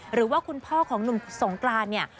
หรือว่าคุณพ่อของหนุ่มสงกรานเนี่ย